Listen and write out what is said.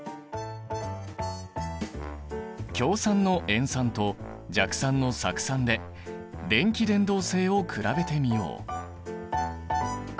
強酸の塩酸と弱酸の酢酸で電気伝導性を比べてみよう。